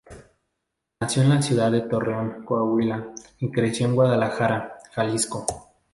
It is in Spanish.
Nació en la ciudad de Torreón, Coahuila y creció en Guadalajara, Jalisco.